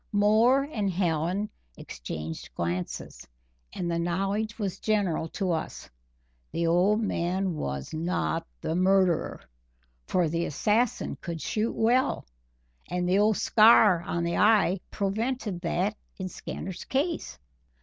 Moore and Hallen exchanged glances; and the knowledge was general to us the old man was not the murderer, for the assassin could shoot well, and the old scar on the eye prevented that in Skinner's case.